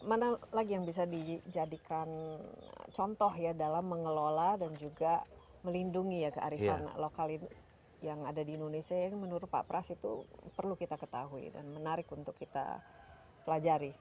mana lagi yang bisa dijadikan contoh ya dalam mengelola dan juga melindungi ya kearifan lokal yang ada di indonesia yang menurut pak pras itu perlu kita ketahui dan menarik untuk kita pelajari